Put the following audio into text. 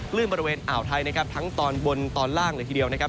บริเวณอ่าวไทยนะครับทั้งตอนบนตอนล่างเลยทีเดียวนะครับ